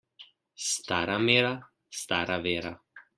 Stara mera, stara vera.